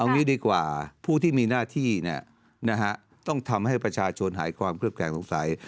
งี้ดีกว่าผู้ที่มีหน้าที่ต้องทำให้ประชาชนหายความเคลือบแคลงสงสัย